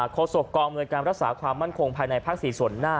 โคศกองธ์อำนวยการรักษาภาพมั่นคงภายในภาคสี่ส่วนหน้านะครับ